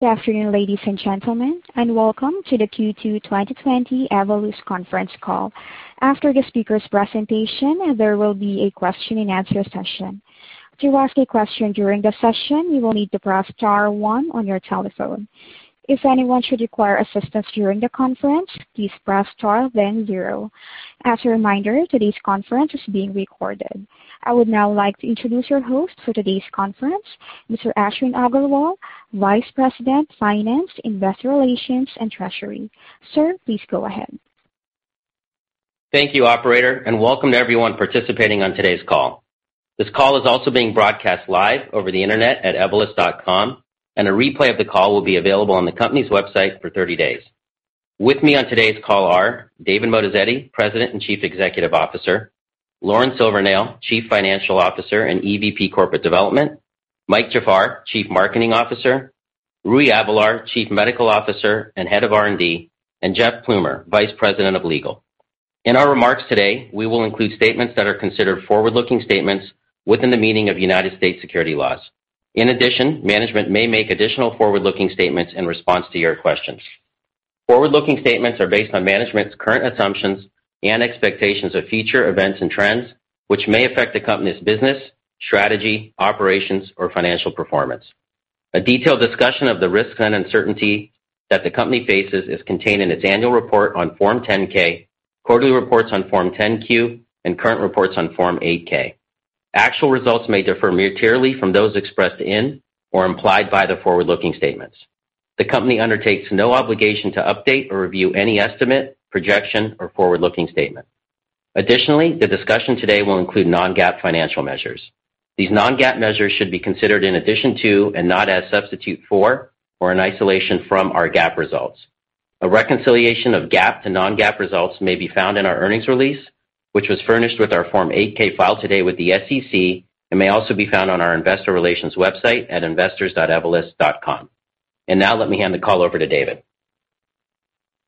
Good afternoon, ladies and gentlemen, and welcome to the Q2 2020 Evolus conference call. After the speaker's presentation, there will be a question and answer session. To ask a question during the session, you will need to press star one on your telephone. If anyone should require assistance during the conference, please press star then zero. As a reminder, today's conference is being recorded. I would now like to introduce your host for today's conference, Mr. Ashwin Agarwal, Vice President, Finance, Investor Relations and Treasury. Sir, please go ahead. Thank you, operator, and welcome to everyone participating on today's call. This call is also being broadcast live over the internet at Evolus.com, and a replay of the call will be available on the company's website for 30 days. With me on today's call are David Moatazedi, President and Chief Executive Officer, Lauren Silvernail, Chief Financial Officer and EVP Corporate Development, Mike Jafar, Chief Marketing Officer, Rui Avelar, Chief Medical Officer and Head of R&D, and Jeff Plumer, Vice President of Legal. In our remarks today, we will include statements that are considered forward-looking statements within the meaning of U.S. securities laws. In addition, management may make additional forward-looking statements in response to your questions. Forward-looking statements are based on management's current assumptions and expectations of future events and trends, which may affect the company's business, strategy, operations or financial performance. A detailed discussion of the risks and uncertainty that the company faces is contained in its annual report on Form 10-K, quarterly reports on Form 10-Q, and current reports on Form 8-K. Actual results may differ materially from those expressed in or implied by the forward-looking statements. The company undertakes no obligation to update or review any estimate, projection or forward-looking statement. Additionally, the discussion today will include non-GAAP financial measures. These non-GAAP measures should be considered in addition to and not as substitute for or an isolation from our GAAP results. A reconciliation of GAAP to non-GAAP results may be found in our earnings release, which was furnished with our Form 8-K filed today with the SEC and may also be found on our Investor Relations website at investors.evolus.com. Now let me hand the call over to David.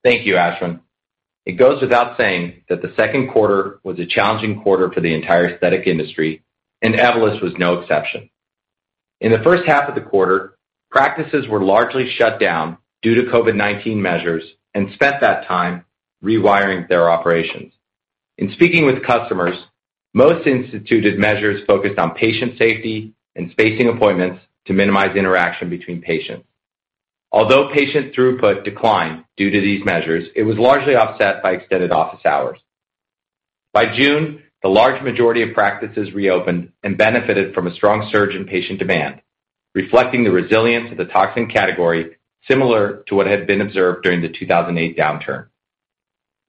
Thank you, Ashwin. It goes without saying that the second quarter was a challenging quarter for the entire aesthetic industry. Evolus was no exception. In the first half of the quarter, practices were largely shut down due to COVID-19 measures and spent that time rewiring their operations. In speaking with customers, most instituted measures focused on patient safety and spacing appointments to minimize interaction between patients. Although patient throughput declined due to these measures, it was largely offset by extended office hours. By June, the large majority of practices reopened and benefited from a strong surge in patient demand, reflecting the resilience of the toxin category, similar to what had been observed during the 2008 downturn.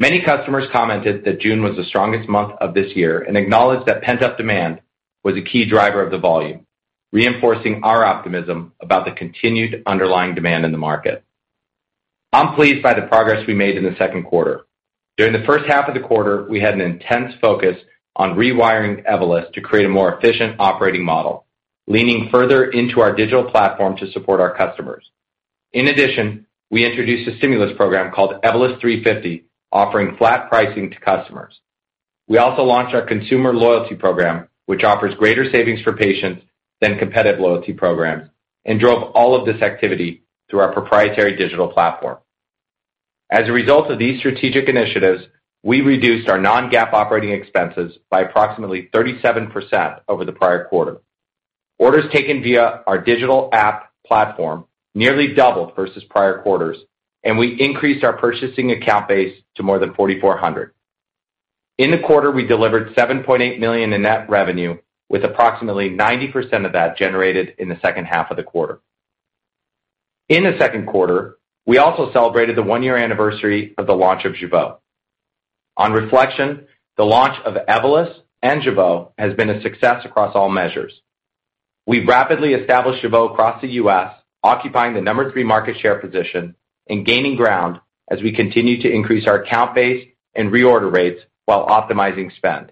Many customers commented that June was the strongest month of this year and acknowledged that pent-up demand was a key driver of the volume, reinforcing our optimism about the continued underlying demand in the market. I'm pleased by the progress we made in the second quarter. During the first half of the quarter, we had an intense focus on rewiring Evolus to create a more efficient operating model, leaning further into our digital platform to support our customers. In addition, we introduced a stimulus program called Evolus 350, offering flat pricing to customers. We also launched our consumer loyalty program, which offers greater savings for patients than competitive loyalty programs, and drove all of this activity through our proprietary digital platform. As a result of these strategic initiatives, we reduced our non-GAAP operating expenses by approximately 37% over the prior quarter. Orders taken via our digital app platform nearly doubled versus prior quarters, and we increased our purchasing account base to more than 4,400. In the quarter, we delivered $7.8 million in net revenue, with approximately 90% of that generated in the second half of the quarter. In the second quarter, we also celebrated the one-year anniversary of the launch of Jeuveau. On reflection, the launch of Evolus and Jeuveau has been a success across all measures. We've rapidly established Jeuveau across the U.S., occupying the number three market share position and gaining ground as we continue to increase our account base and reorder rates while optimizing spend.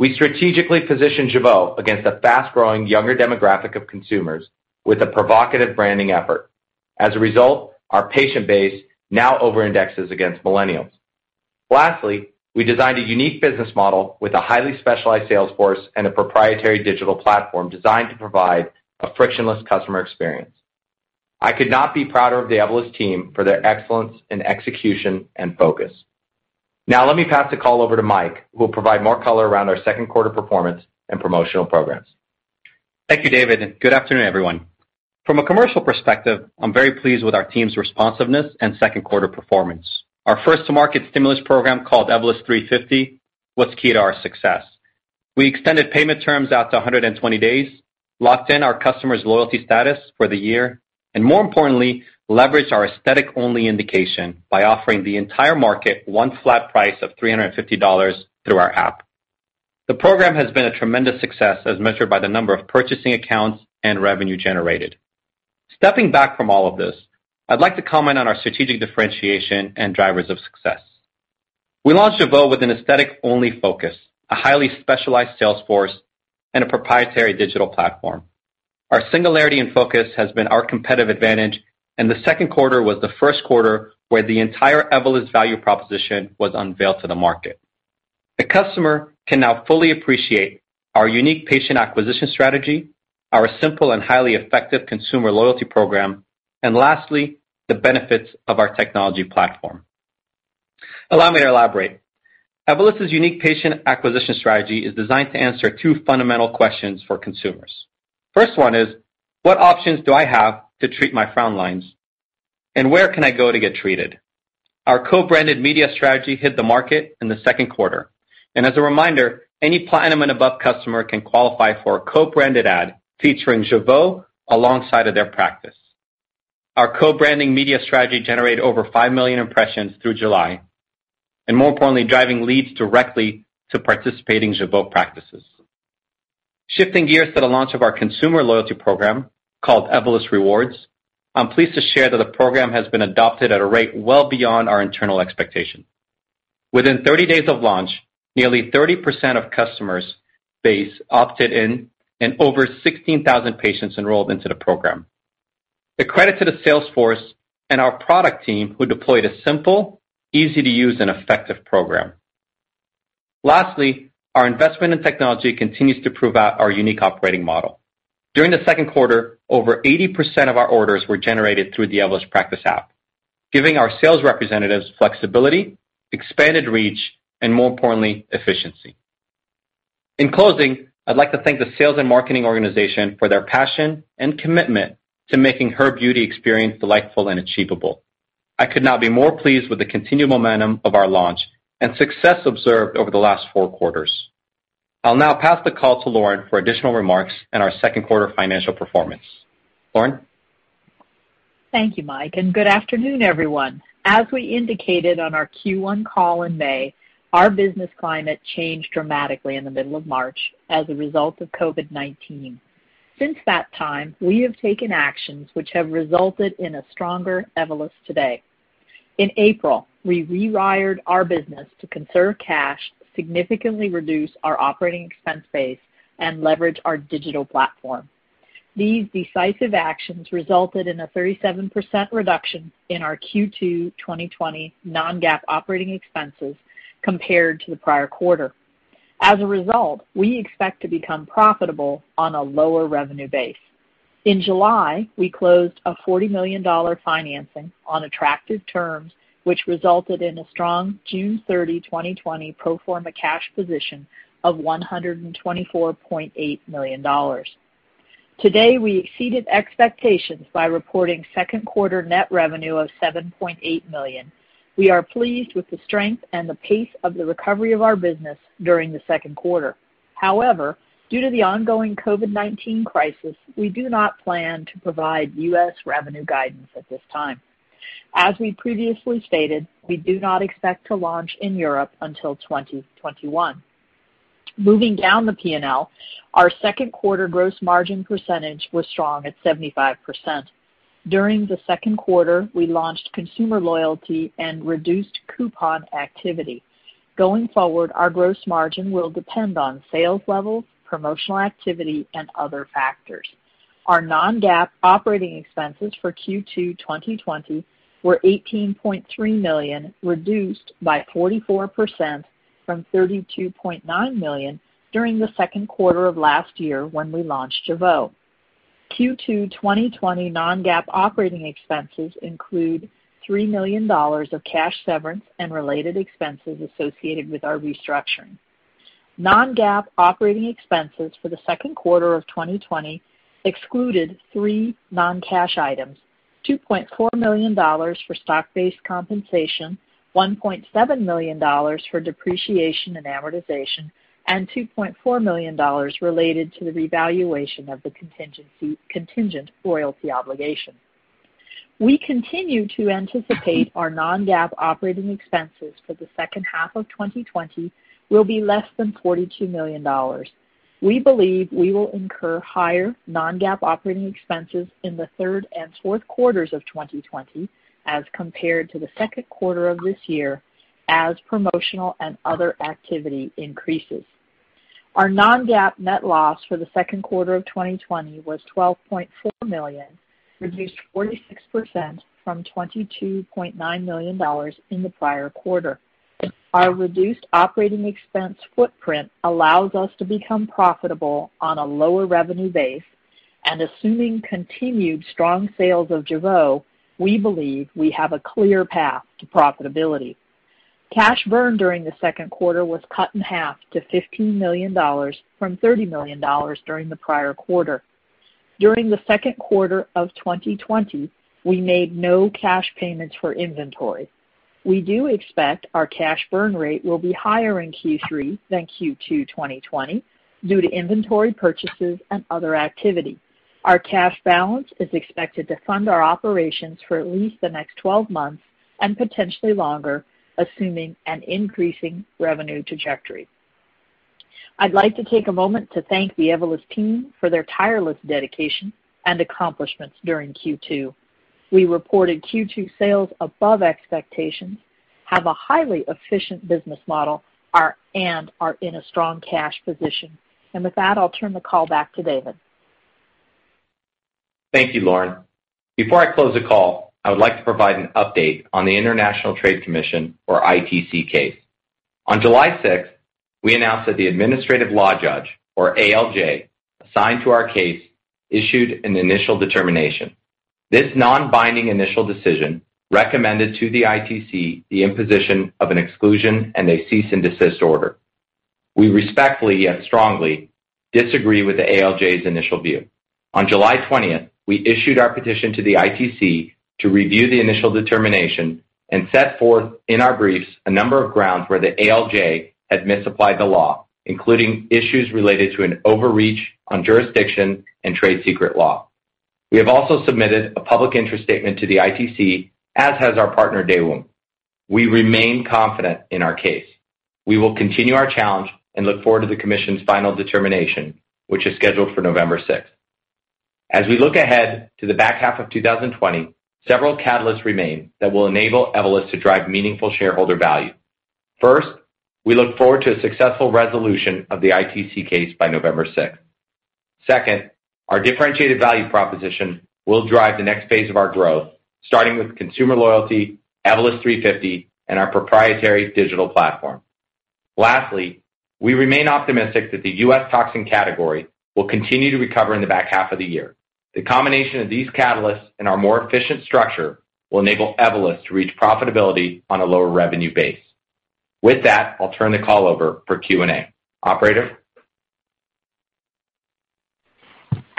We strategically positioned Jeuveau against a fast-growing younger demographic of consumers with a provocative branding effort. As a result, our patient base now over-indexes against millennials. Lastly, we designed a unique business model with a highly specialized sales force and a proprietary digital platform designed to provide a frictionless customer experience. I could not be prouder of the Evolus team for their excellence in execution and focus. Let me pass the call over to Mike, who will provide more color around our second quarter performance and promotional programs. Thank you, David. Good afternoon, everyone. From a commercial perspective, I'm very pleased with our team's responsiveness and second quarter performance. Our first to market stimulus program called Evolus 350 was key to our success. We extended payment terms out to 120 days, locked in our customers' loyalty status for the year, and more importantly, leveraged our aesthetic-only indication by offering the entire market one flat price of $350 through our app. The program has been a tremendous success as measured by the number of purchasing accounts and revenue generated. Stepping back from all of this, I'd like to comment on our strategic differentiation and drivers of success. We launched Jeuveau with an aesthetic-only focus, a highly specialized sales force, and a proprietary digital platform. Our singularity and focus has been our competitive advantage, and the second quarter was the first quarter where the entire Evolus value proposition was unveiled to the market. The customer can now fully appreciate our unique patient acquisition strategy, our simple and highly effective consumer loyalty program, and lastly, the benefits of our technology platform. Allow me to elaborate. Evolus' unique patient acquisition strategy is designed to answer two fundamental questions for consumers. First one is, what options do I have to treat my frown lines, and where can I go to get treated? Our co-branded media strategy hit the market in the second quarter, and as a reminder, any platinum and above customer can qualify for a co-branded ad featuring Jeuveau alongside of their practice. Our co-branding media strategy generated over five million impressions through July, and more importantly, driving leads directly to participating Jeuveau practices. Shifting gears to the launch of our consumer loyalty program, called Evolus Rewards, I'm pleased to share that the program has been adopted at a rate well beyond our internal expectation. Within 30 days of launch, nearly 30% of customer base opted in. Over 16,000 patients enrolled into the program. The credit to the sales force and our product team, who deployed a simple, easy-to-use, and effective program. Lastly, our investment in technology continues to prove out our unique operating model. During the second quarter, over 80% of our orders were generated through the Evolus Practice app, giving our sales representatives flexibility, expanded reach, and more importantly, efficiency. In closing, I'd like to thank the sales and marketing organization for their passion and commitment to making her beauty experience delightful and achievable. I could not be more pleased with the continued momentum of our launch and success observed over the last four quarters. I'll now pass the call to Lauren for additional remarks and our second quarter financial performance. Lauren? Thank you, Mike, good afternoon, everyone. As we indicated on our Q1 call in May, our business climate changed dramatically in the middle of March as a result of COVID-19. Since that time, we have taken actions which have resulted in a stronger Evolus today. In April, we rewired our business to conserve cash, significantly reduce our operating expense base, and leverage our digital platform. These decisive actions resulted in a 37% reduction in our Q2 2020 non-GAAP operating expenses compared to the prior quarter. As a result, we expect to become profitable on a lower revenue base. In July, we closed a $40 million financing on attractive terms, which resulted in a strong June 30, 2020, pro forma cash position of $124.8 million. Today, we exceeded expectations by reporting second quarter net revenue of $7.8 million. We are pleased with the strength and the pace of the recovery of our business during the second quarter. However, due to the ongoing COVID-19 crisis, we do not plan to provide U.S. revenue guidance at this time. As we previously stated, we do not expect to launch in Europe until 2021. Moving down the P&L, our second quarter gross margin percentage was strong at 75%. During the second quarter, we launched consumer loyalty and reduced coupon activity. Going forward, our gross margin will depend on sales levels, promotional activity, and other factors. Our non-GAAP operating expenses for Q2 2020 were $18.3 million, reduced by 44% from $32.9 million during the second quarter of last year when we launched Jeuveau. Q2 2020 non-GAAP operating expenses include $3 million of cash severance and related expenses associated with our restructuring. Non-GAAP operating expenses for the second quarter of 2020 excluded three non-cash items. $2.4 million for stock-based compensation, $1.7 million for depreciation and amortization, and $2.4 million related to the revaluation of the contingent royalty obligation. We continue to anticipate our non-GAAP operating expenses for the second half of 2020 will be less than $42 million. We believe we will incur higher non-GAAP operating expenses in the third and fourth quarters of 2020 as compared to the second quarter of this year, as promotional and other activity increases. Our non-GAAP net loss for the second quarter of 2020 was $12.4 million, reduced 46% from $22.9 million in the prior quarter. Our reduced operating expense footprint allows us to become profitable on a lower revenue base, and assuming continued strong sales of Jeuveau, we believe we have a clear path to profitability. Cash burn during the second quarter was cut in half to $15 million from $30 million during the prior quarter. During the second quarter of 2020, we made no cash payments for inventory. We do expect our cash burn rate will be higher in Q3 than Q2 2020 due to inventory purchases and other activity. Our cash balance is expected to fund our operations for at least the next 12 months, and potentially longer, assuming an increasing revenue trajectory. I'd like to take a moment to thank the Evolus team for their tireless dedication and accomplishments during Q2. We reported Q2 sales above expectations, have a highly efficient business model, and are in a strong cash position. With that, I'll turn the call back to David. Thank you, Lauren. Before I close the call, I would like to provide an update on the International Trade Commission, or ITC case. On July 6th, we announced that the administrative law judge, or ALJ, assigned to our case issued an initial determination. This non-binding initial decision recommended to the ITC the imposition of an exclusion and a cease and desist order. We respectfully yet strongly disagree with the ALJ's initial view. On July 20th, we issued our petition to the ITC to review the initial determination and set forth in our briefs a number of grounds where the ALJ had misapplied the law, including issues related to an overreach on jurisdiction and trade secret law. We have also submitted a public interest statement to the ITC, as has our partner, Daewoong. We remain confident in our case. We will continue our challenge and look forward to the commission's final determination, which is scheduled for November 6th. As we look ahead to the back half of 2020, several catalysts remain that will enable Evolus to drive meaningful shareholder value. First, we look forward to a successful resolution of the ITC case by November 6th. Second, our differentiated value proposition will drive the next phase of our growth, starting with consumer loyalty, Evolus 350, and our proprietary digital platform. Lastly, we remain optimistic that the U.S. neurotoxin category will continue to recover in the back half of the year. The combination of these catalysts and our more efficient structure will enable Evolus to reach profitability on a lower revenue base. With that, I'll turn the call over for Q&A. Operator?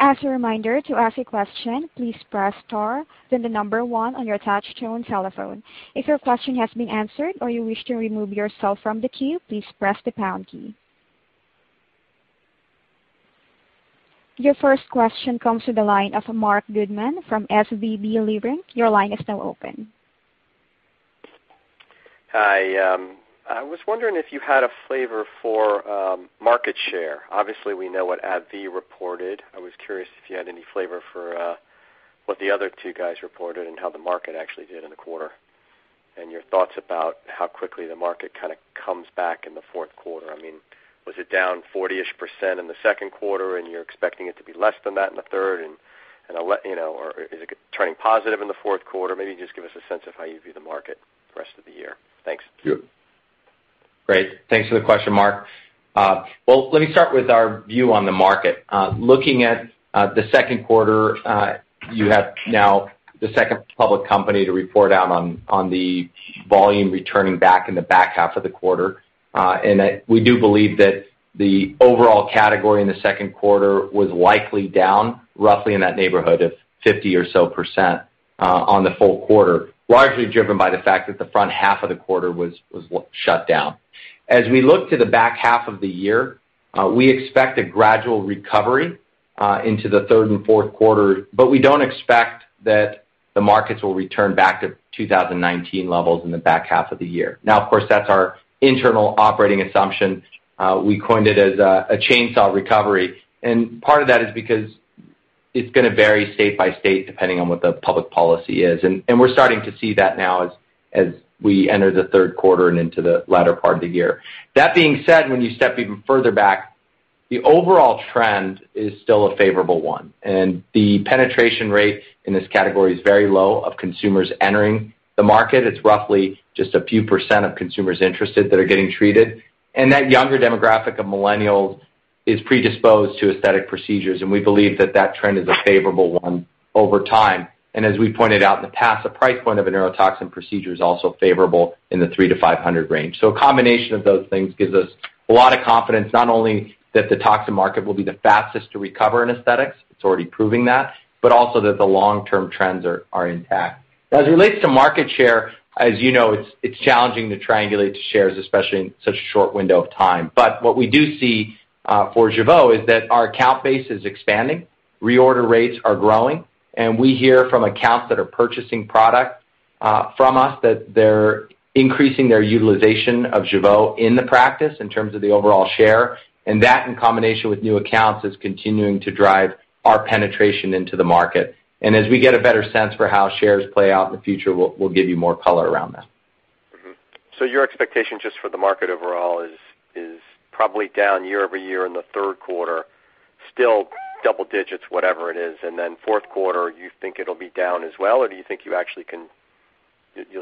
As a reminder, to ask a question, please press star then the number one on your touch-tone telephone. If your question has been answered or you wish to remove yourself from the queue, please press the pound key. Your first question comes to the line of Marc Goodman from SVB Leerink. Your line is now open. Hi. I was wondering if you had a flavor for market share. Obviously, we know what AbbVie reported. I was curious if you had any flavor for what the other two guys reported and how the market actually did in the quarter, and your thoughts about how quickly the market kind of comes back in the fourth quarter. Was it down 40-ish% in the second quarter and you're expecting it to be less than that in the third, or is it turning positive in the fourth quarter? Maybe just give us a sense of how you view the market the rest of the year. Thanks. Great. Thanks for the question, Marc. Well, let me start with our view on the market. Looking at the second quarter, you have now the second public company to report out on the volume returning back in the back half of the quarter. We do believe that the overall category in the second quarter was likely down roughly in that neighborhood of 50% or so on the full quarter, largely driven by the fact that the front half of the quarter was shut down. As we look to the back half of the year, we expect a gradual recovery into the third and fourth quarter, but we don't expect that the markets will return back to 2019 levels in the back half of the year. Now, of course, that's our internal operating assumption. We coined it as a chainsaw recovery. Part of that is because it's going to vary state by state depending on what the public policy is. We're starting to see that now as we enter the third quarter and into the latter part of the year. That being said, when you step even further back, the overall trend is still a favorable one, and the penetration rate in this category is very low of consumers entering the market. It's roughly just a few % of consumers interested that are getting treated. That younger demographic of millennial is predisposed to aesthetic procedures, and we believe that trend is a favorable one over time. As we pointed out in the past, the price point of a neurotoxin procedure is also favorable in the $300-$500 range. A combination of those things gives us a lot of confidence, not only that the toxin market will be the fastest to recover in aesthetics, it's already proving that, but also that the long-term trends are intact. Now, as it relates to market share, as you know, it's challenging to triangulate the shares, especially in such a short window of time. What we do see for Jeuveau is that our account base is expanding, reorder rates are growing, and we hear from accounts that are purchasing product from us that they're increasing their utilization of Jeuveau in the practice in terms of the overall share. That, in combination with new accounts, is continuing to drive our penetration into the market. As we get a better sense for how shares play out in the future, we'll give you more color around that. Your expectation just for the market overall is probably down year-over-year in the third quarter, still double digits, whatever it is, and then fourth quarter, you think it'll be down as well, or do you think you'll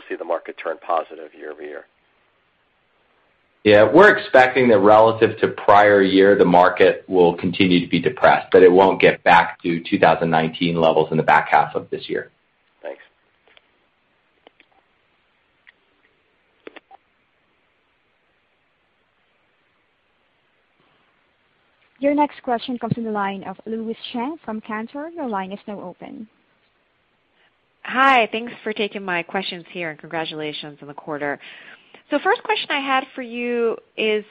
see the market turn positive year-over-year? We're expecting that relative to prior year, the market will continue to be depressed, that it won't get back to 2019 levels in the back half of this year. Thanks. Your next question comes from the line of Louise Chen from Cantor. Your line is now open. Hi. Thanks for taking my questions here, and congratulations on the quarter. First question I had for you is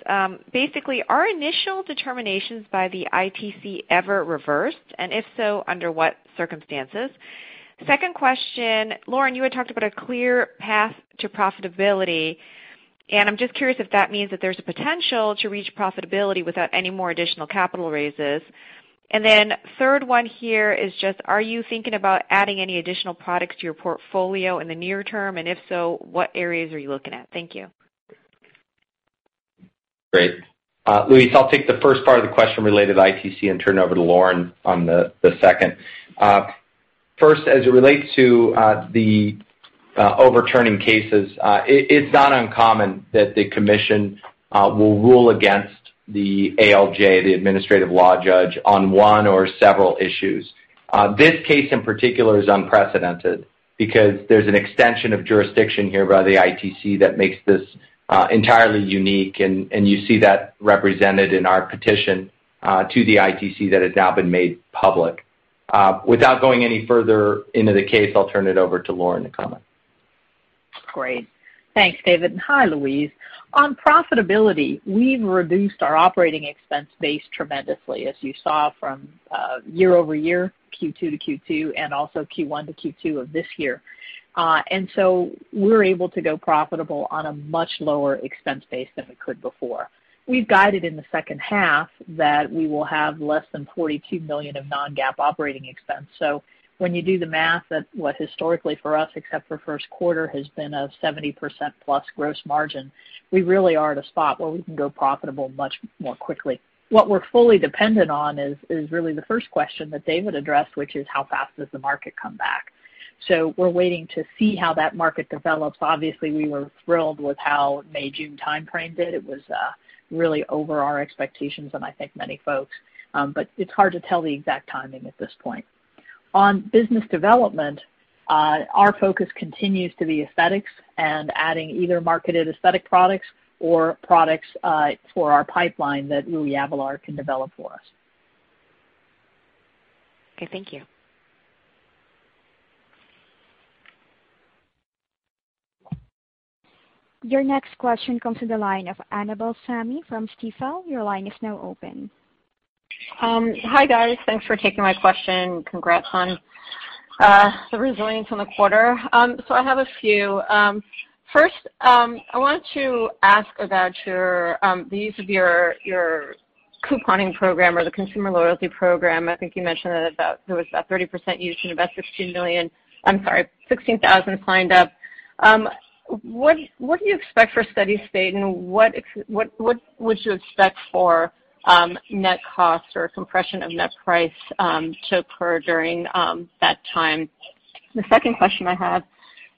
basically, are initial determinations by the ITC ever reversed? If so, under what circumstances? Second question, Lauren, you had talked about a clear path to profitability, and I'm just curious if that means that there's a potential to reach profitability without any more additional capital raises. Third one here is just, are you thinking about adding any additional products to your portfolio in the near term? If so, what areas are you looking at? Thank you. Great. Louise, I'll take the first part of the question related to ITC and turn it over to Lauren on the second. First, as it relates to the overturning cases, it's not uncommon that the commission will rule against the ALJ, the administrative law judge, on one or several issues. This case in particular is unprecedented because there's an extension of jurisdiction here by the ITC that makes this entirely unique, and you see that represented in our petition to the ITC that has now been made public. Without going any further into the case, I'll turn it over to Lauren to comment. Great. Thanks, David. Hi, Louise. On profitability, we've reduced our operating expense base tremendously, as you saw from year-over-year, Q2 to Q2, and also Q1 to Q2 of this year. We're able to go profitable on a much lower expense base than we could before. We've guided in the second half that we will have less than $42 million of non-GAAP operating expense. When you do the math at what historically for us, except for the first quarter, has been a 70% plus gross margin, we really are at a spot where we can go profitable much more quickly. What we're fully dependent on is really the first question that David addressed, which is how fast does the market come back. So we're waiting to see how [inaudible] obviously, we were thrilled with how the May, June timeframe did. It was really over our expectations and I think many folks', but it's hard to tell the exact timing at this point. On business development, our focus continues to be aesthetics and adding either marketed aesthetic products or products for our pipeline that Rui Avelar can develop for us. Okay, thank you. Your next question comes to the line of Annabel Samimy from Stifel. Your line is now open. Hi, guys. Thanks for taking my question. Congrats on the [inaudible] on the quarter. I have a few. First, I wanted to ask about the use of your couponing program or the consumer loyalty program. I think you mentioned that it was about 30% used and about 16,000 signed up. What do you expect for steady state, and what would you expect for net cost or compression of net price to occur during that time? The second question I have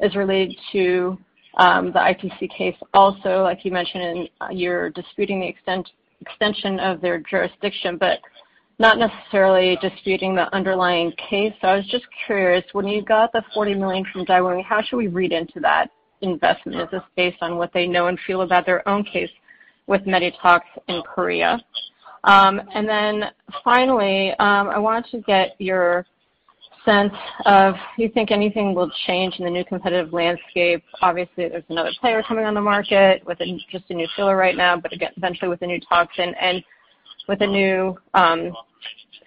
is related to the ITC case also. Like you mentioned, you're disputing the extension of their jurisdiction, but not necessarily disputing the underlying case. I was just curious, when you got the $40 million from Daewoong, how should we read into that investment? Is this based on what they know and feel about their own case with Medytox in Korea? Finally, I wanted to get your sense of if you think anything will change in the new competitive landscape. Obviously, there's another player coming on the market with just a new filler right now, but eventually with a new neurotoxin and with a new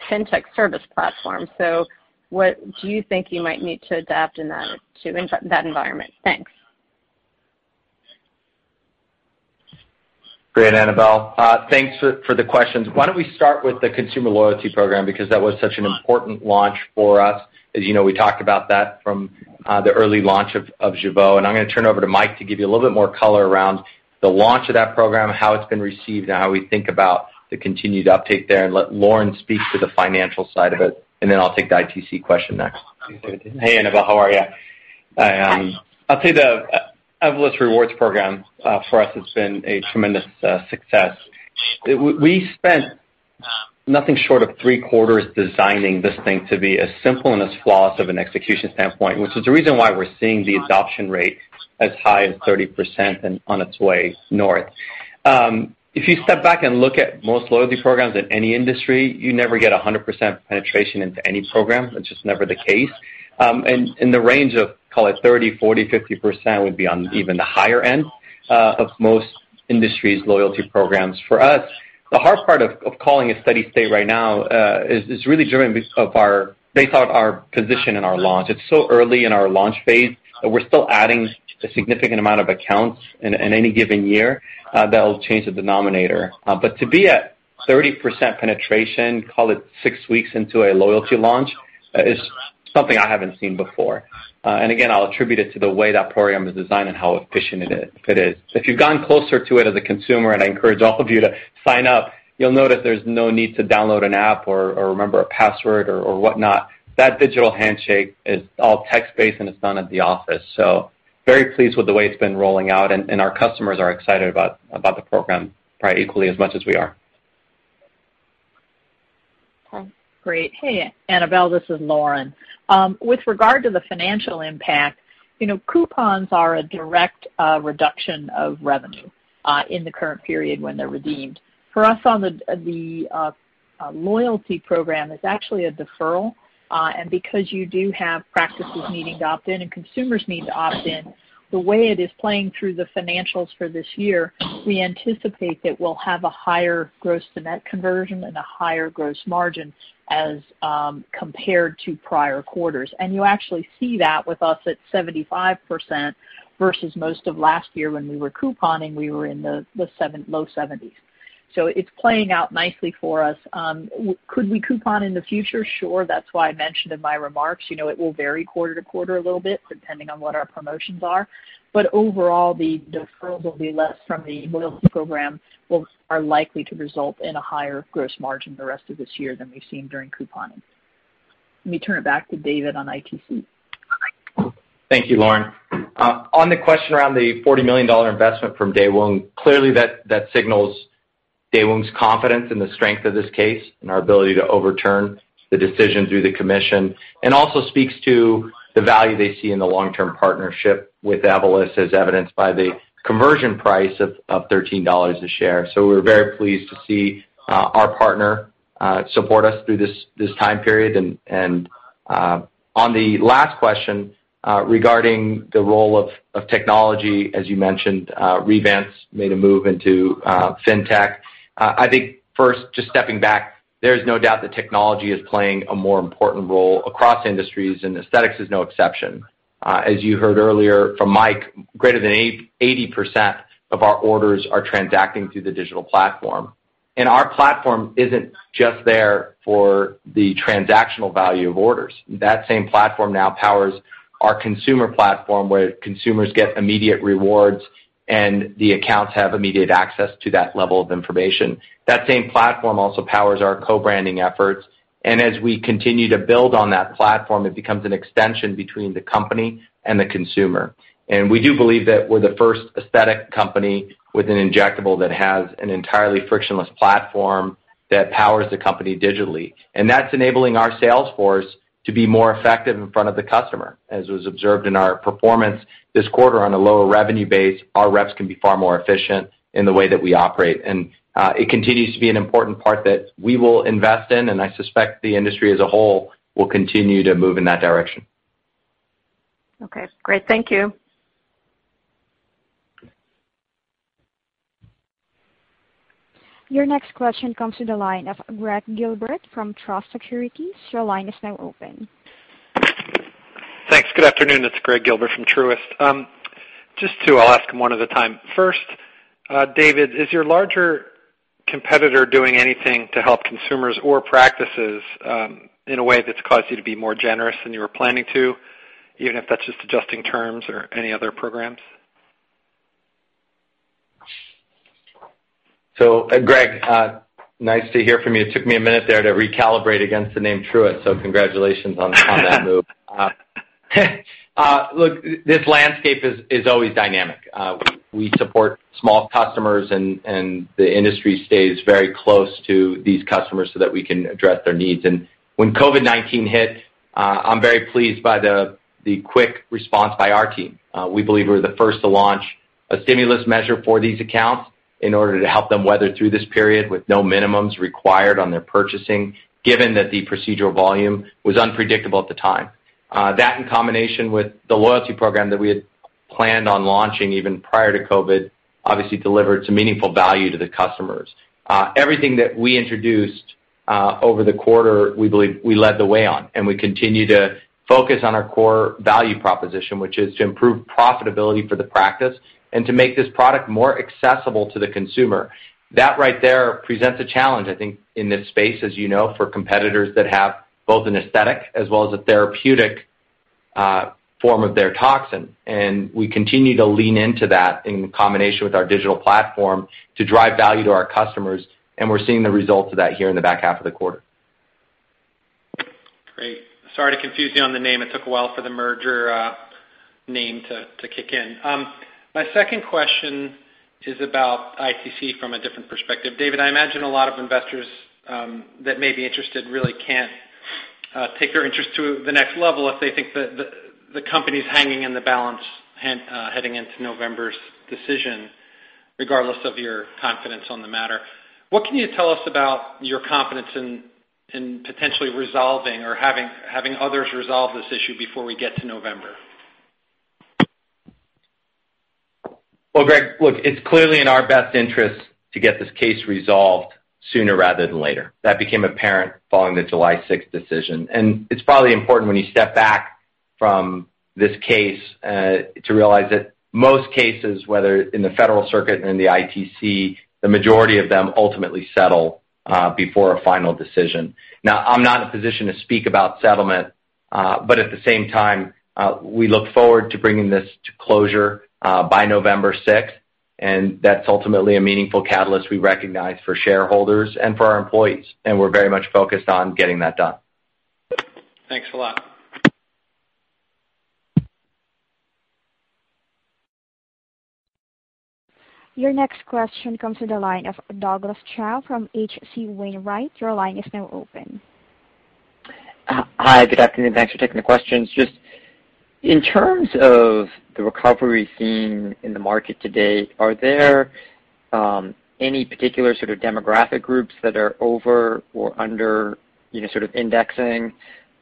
fintech service platform. What do you think you might need to adapt in that environment? Thanks. Great, Annabel. Thanks for the questions. Why don't we start with the consumer loyalty program because that was such an important launch for us. As you know, we talked about that from the early launch of Jeuveau, I'm going to turn it over to Mike to give you a little bit more color around the launch of that program, how it's been received, and how we think about the continued uptake there and let Lauren speak to the financial side of it. I'll take the ITC question next. Hey, Annabel, how are you? Hi. I'll say the Evolus Rewards program for us has been a tremendous success. We spent nothing short of three quarters designing this thing to be as simple and as flawless of an execution standpoint, which is the reason why we're seeing the adoption rate as high as 30% and on its way north. If you step back and look at most loyalty programs in any industry, you never get 100% penetration into any program. That's just never the case. In the range of, call it 30%, 40%, 50% would be on even the higher end of most industries' loyalty programs. For us, the hard part of calling it steady state right now is really driven based on our position and our launch. It's so early in our launch phase that we're still adding a significant amount of accounts in any given year that will change the denominator. To be at 30% penetration, call it six weeks into a loyalty launch, is something I haven't seen before. Again, I'll attribute it to the way that program is designed and how efficient it is. If you've gone closer to it as a consumer, and I encourage all of you to sign up, you'll note that there's no need to download an app or remember a password or whatnot. That digital handshake is all text-based, and it's done at the office. Very pleased with the way it's been rolling out, and our customers are excited about the program probably equally as much as we are. Okay. Great. Hey, Annabel. This is Lauren. With regard to the financial impact, coupons are a direct reduction of revenue in the current period when they're redeemed. For us on the loyalty program, it's actually a deferral, and because you do have practices needing to opt in and consumers need to opt in, the way it is playing through the financials for this year, we anticipate that we'll have a higher gross to net conversion and a higher gross margin as compared to prior quarters. You actually see that with us at 75% versus most of last year when we were couponing, we were in the low 70s. It's playing out nicely for us. Could we coupon in the future? Sure. That's why I mentioned in my remarks, it will vary quarter to quarter a little bit depending on what our promotions are. Overall, the deferral will be less from the loyalty program, are likely to result in a higher gross margin the rest of this year than we've seen during couponing. Let me turn it back to David on ITC. Thank you, Lauren. On the question around the $40 million investment from Daewoong, clearly that signals Daewoong's confidence in the strength of this case and our ability to overturn the decision through the commission, and also speaks to the value they see in the long-term partnership with Evolus, as evidenced by the conversion price of $13 a share. We're very pleased to see our partner support us through this time period. On the last question, regarding the role of technology, as you mentioned, Revance made a move into fintech. I think first, just stepping back, there's no doubt that technology is playing a more important role across industries, and aesthetics is no exception. As you heard earlier from Mike, greater than 80% of our orders are transacting through the digital platform. Our platform isn't just there for the transactional value of orders. That same platform now powers our consumer platform, where consumers get immediate rewards and the accounts have immediate access to that level of information. That same platform also powers our co-branding efforts. As we continue to build on that platform, it becomes an extension between the company and the consumer. We do believe that we're the first aesthetic company with an injectable that has an entirely frictionless platform that powers the company digitally. That's enabling our sales force to be more effective in front of the customer. As was observed in our performance this quarter on a lower revenue base, our reps can be far more efficient in the way that we operate. It continues to be an important part that we will invest in, and I suspect the industry as a whole will continue to move in that direction. Okay, great. Thank you. Your next question comes to the line of Gregg Gilbert from Truist Securities. Your line is now open. Thanks. Good afternoon. It's Gregg Gilbert from Truist. Just two, I'll ask them one at a time. First, David, is your larger competitor doing anything to help consumers or practices in a way that's caused you to be more generous than you were planning to, even if that's just adjusting terms or any other programs? Gregg, nice to hear from you. It took me a minute there to recalibrate against the name Truist, congratulations on that move. Look, this landscape is always dynamic. We support small customers, the industry stays very close to these customers so that we can address their needs. When COVID-19 hit, I'm very pleased by the quick response by our team. We believe we were the first to launch a stimulus measure for these accounts in order to help them weather through this period with no minimums required on their purchasing, given that the procedural volume was unpredictable at the time. That, in combination with the loyalty program that we had planned on launching even prior to COVID, obviously delivered some meaningful value to the customers. Everything that we introduced over the quarter, we believe we led the way on, and we continue to focus on our core value proposition, which is to improve profitability for the practice and to make this product more accessible to the consumer. That right there presents a challenge, I think, in this space, as you know, for competitors that have both an aesthetic as well as a therapeutic form of their toxin. We continue to lean into that in combination with our digital platform to drive value to our customers, and we're seeing the results of that here in the back half of the quarter. Great. Sorry to confuse you on the name. It took a while for the merger name to kick in. My second question is about ITC from a different perspective. David, I imagine a lot of investors that may be interested really can't take their interest to the next level if they think that the company's hanging in the balance heading into November's decision, regardless of your confidence on the matter. What can you tell us about your confidence in potentially resolving or having others resolve this issue before we get to November? Well, Gregg, look, it's clearly in our best interest to get this case resolved sooner rather than later. That became apparent following the July 6th decision. It's probably important when you step back from this case, to realize that most cases, whether in the federal circuit and in the ITC, the majority of them ultimately settle before a final decision. Now, I'm not in a position to speak about settlement, but at the same time, we look forward to bringing this to closure by November 6th, and that's ultimately a meaningful catalyst we recognize for shareholders and for our employees. We're very much focused on getting that done. Thanks a lot. Your next question comes to the line of Douglas Tsao from H.C. Wainwright. Your line is now open. Hi, good afternoon. Thanks for taking the questions. Just in terms of the recovery seen in the market today, are there any particular sort of demographic groups that are over or under indexing?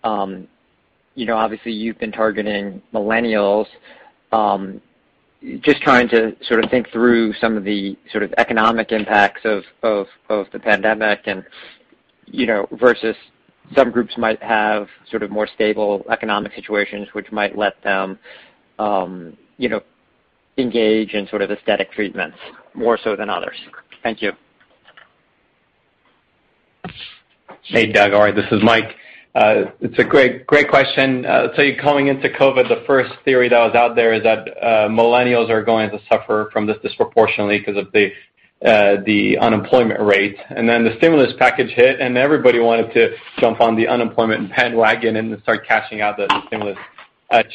Obviously, you've been targeting millennials. Just trying to think through some of the economic impacts of both the pandemic versus some groups might have more stable economic situations, which might let them engage in aesthetic treatments more so than others. Thank you. Hey, Doug. All right, this is Mike. It's a great question. You're calling into COVID, the first theory that was out there is that millennials are going to suffer from this disproportionately because of the unemployment rate. The stimulus package hit, and everybody wanted to jump on the unemployment bandwagon and start cashing out the stimulus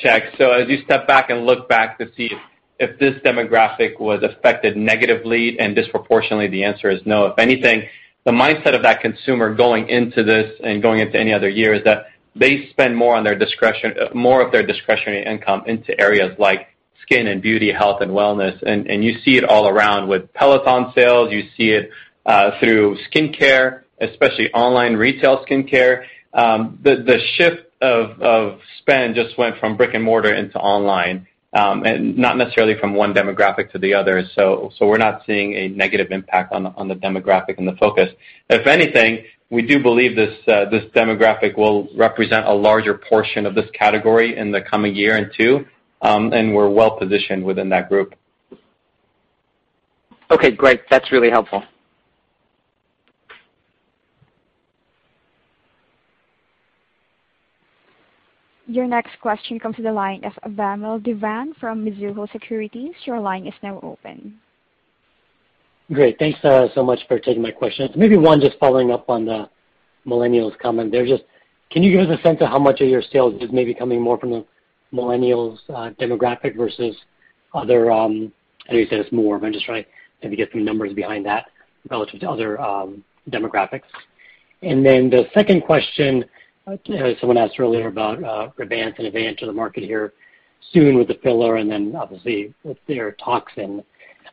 checks. As you step back and look back to see if this demographic was affected negatively and disproportionately, the answer is no. If anything, the mindset of that consumer going into this and going into any other year is that they spend more of their discretionary income into areas like skin and beauty, health and wellness. You see it all around with Peloton sales. You see it through skincare, especially online retail skincare. The shift of spend just went from brick and mortar into online, and not necessarily from one demographic to the other. We're not seeing a negative impact on the demographic and the focus. If anything, we do believe this demographic will represent a larger portion of this category in the coming year and two, and we're well-positioned within that group. Okay, great. That's really helpful. Your next question comes to the line of Vamil Divan from Mizuho Securities. Your line is now open. Great. Thanks so much for taking my question. Maybe one just following up on the millennials comment, can you give us a sense of how much of your sales is maybe coming more from the millennials demographic versus other, I know you said it's more, but just trying to maybe get some numbers behind that relative to other demographics. Then the second question, someone asked earlier about Revance [inaudible] the market here soon with the filler and then obviously with their toxin.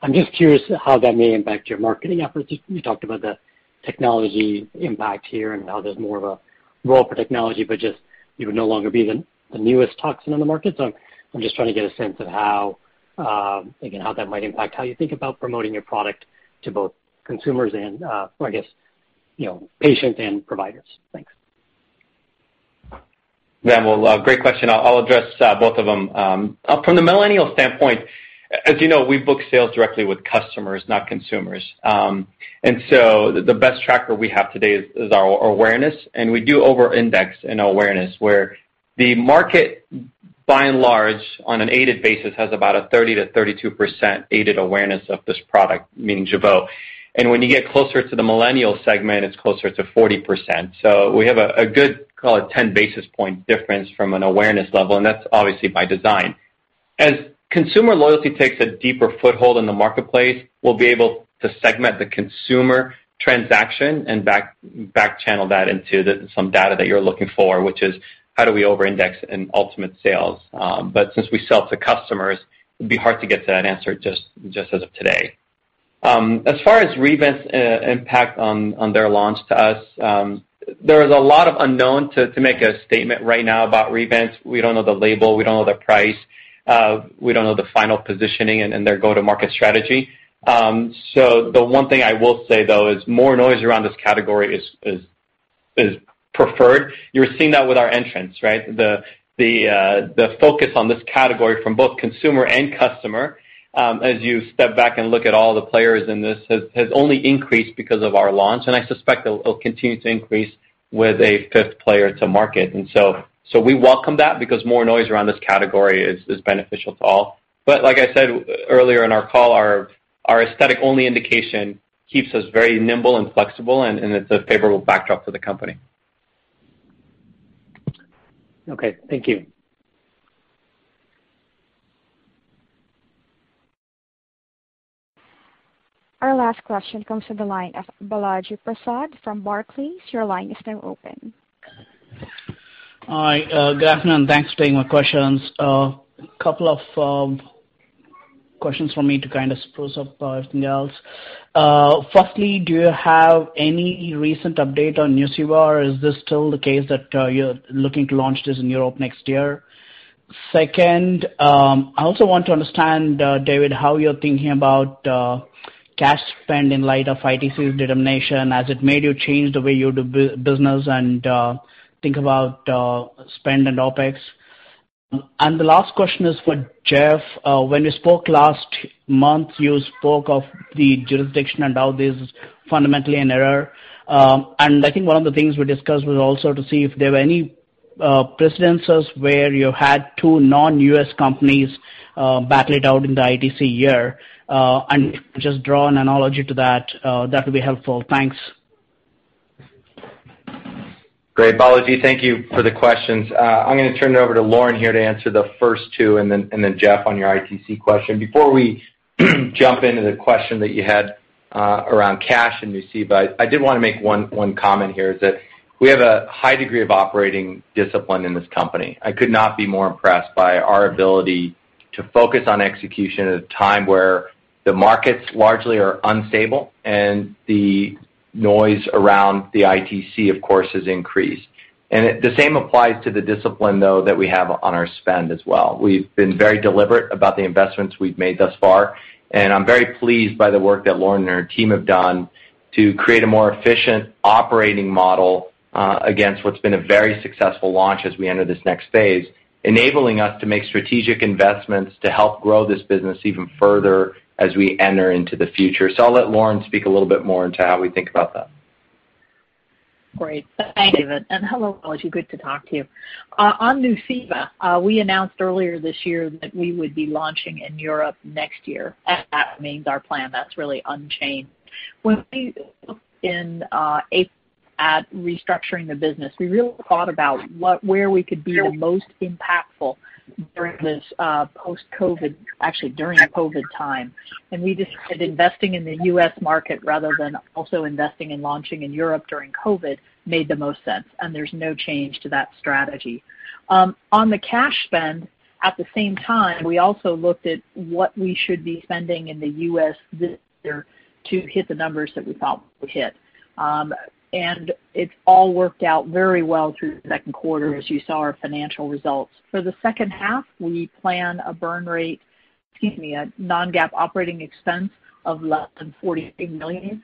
I'm just curious how that may impact your marketing efforts. You talked about the technology impact here and how there's more of a role for technology, but just you would no longer be the newest toxin on the market. I'm just trying to get a sense of how that might impact how you think about promoting your product to both consumers and, I guess, patients and providers. Thanks. Vamil, great question. I'll address both of them. From the millennial standpoint, as you know, we book sales directly with customers, not consumers. The best tracker we have today is our awareness, and we do over-index in awareness, where the market by and large, on an aided basis, has about a 30%-32% aided awareness of this product, meaning Jeuveau. When you get closer to the millennial segment, it's closer to 40%. We have a good, call it, 10 basis point difference from an awareness level, and that's obviously by design. As consumer loyalty takes a deeper foothold in the marketplace, we'll be able to segment the consumer transaction and back channel that into some data that you're looking for, which is how do we over-index in ultimate sales? Since we sell to customers, it'd be hard to get to that answer just as of today. As far as Revance impact on their launch to us, there is a lot of unknown to make a statement right now about Revance. We don't know the label. We don't know the price. We don't know the final positioning and their go-to-market strategy. The one thing I will say, though, is more noise around this category is preferred. You're seeing that with our entrants, right? The focus on this category from both consumer and customer, as you step back and look at all the players in this, has only increased because of our launch, and I suspect it'll continue to increase with a fifth player to market. We welcome that because more noise around this category is beneficial to all. Like I said earlier in our call, our aesthetic-only indication keeps us very nimble and flexible, and it's a favorable backdrop for the company. Okay. Thank you. Our last question comes to the line of Balaji Prasad from Barclays. Your line is now open. Hi, good afternoon. Thanks for taking my questions. A couple of questions from me to kind of spruce up everything else. Firstly, do you have any recent update on Nuceiva, or is this still the case that you're looking to launch this in Europe next year? Second, I also want to understand, David, how you're thinking about cash spend in light of ITC's determination, as it made you change the way you do business and think about spend and OpEx. The last question is for Jeff. When we spoke last month, you spoke of the jurisdiction and how this is fundamentally an error. I think one of the things we discussed was also to see if there were any precedences where you had two non-U.S. companies battle it out in the ITC year. If you could just draw an analogy to that would be helpful. Thanks. Great, Balaji. Thank you for the questions. I'm going to turn it over to Lauren here to answer the first two, and then Jeff on your ITC question. Before we jump into the question that you had around cash and Nuceiva, I did want to make one comment here is that we have a high degree of operating discipline in this company. I could not be more impressed by our ability to focus on execution at a time where the markets largely are unstable and the noise around the ITC, of course, has increased. The same applies to the discipline, though, that we have on our spend as well. We've been very deliberate about the investments we've made thus far, and I'm very pleased by the work that Lauren and her team have done to create a more efficient operating model against what's been a very successful launch as we enter this next phase, enabling us to make strategic investments to help grow this business even further as we enter into the future. I'll let Lauren speak a little bit more into how we think about that. Great. Thanks, David. Hello, Balaji. Good to talk to you. On Nuceiva, we announced earlier this year that we would be launching in Europe next year. That remains our plan. That's really unchanged. When we looked in April at restructuring the business, we really thought about where we could be the most impactful during this post-COVID-19, actually during COVID-19 time. We decided investing in the U.S. market rather than also investing in launching in Europe during COVID-19 made the most sense, and there's no change to that strategy. On the cash spend, at the same time, we also looked at what we should be spending in the U.S. this year to hit the numbers that we thought we would hit. It's all worked out very well through the second quarter, as you saw our financial results. For the second half, we plan a burn rate, excuse me, a non-GAAP operating expense of less than $42 million,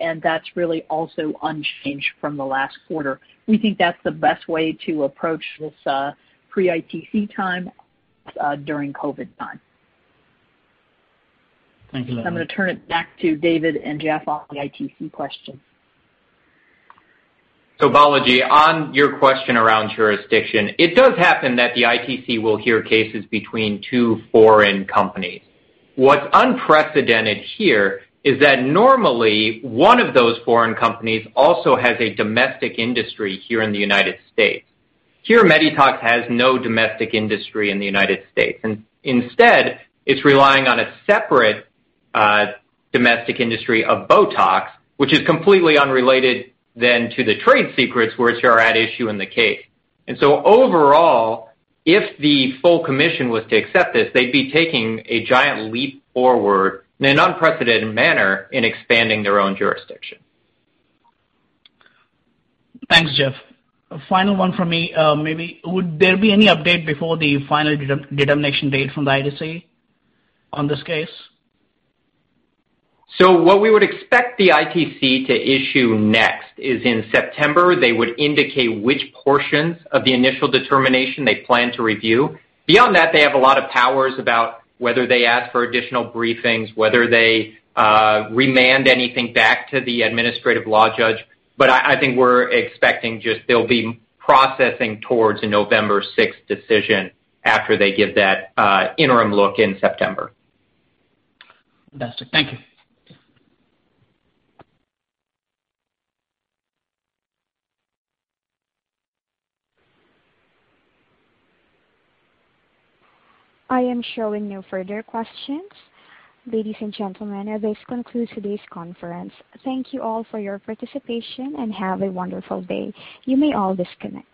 and that's really also unchanged from the last quarter. We think that's the best way to approach this pre-ITC time during COVID time. Thank you, Lauren. I'm going to turn it back to David and Jeff on the ITC question. Balaji, on your question around jurisdiction, it does happen that the ITC will hear cases between two foreign companies. What's unprecedented here is that normally one of those foreign companies also has a domestic industry here in the United States. Here, Medytox has no domestic industry in the United States, and instead it's relying on a separate domestic industry of Botox, which is completely unrelated then to the trade secrets which are at issue in the case. Overall, if the full commission was to accept this, they'd be taking a giant leap forward in an unprecedented manner in expanding their own jurisdiction. Thanks, Jeff. A final one from me. Maybe would there be any update before the final determination date from the ITC on this case? What we would expect the ITC to issue next is in September, they would indicate which portions of the initial determination they plan to review. Beyond that, they have a lot of powers about whether they ask for additional briefings, whether they remand anything back to the administrative law judge. I think we're expecting just they'll be processing towards a November 6th decision after they give that interim look in September. Fantastic. Thank you. I am showing no further questions. Ladies and gentlemen, this concludes today's conference. Thank you all for your participation and have a wonderful day. You may all disconnect.